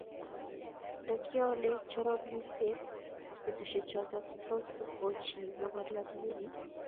ndokioole choronisiet betusiechoto, tos ochii mokoryot nguni